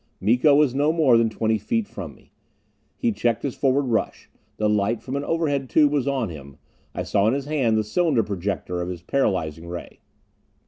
Miko was no more than twenty feet from me. He checked his forward rush. The light from an overhead tube was on him; I saw in his hand the cylinder projector of his paralyzing ray.